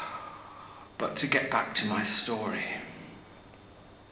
But to get back to my story.